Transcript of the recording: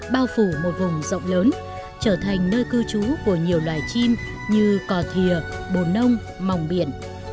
bao phủ một vùng rộng lớn trở thành nơi cư trú của nhiều loài chim như cò thịa bồn nông mỏng biển